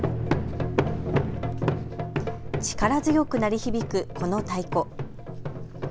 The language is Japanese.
力強く鳴り響く、この太鼓。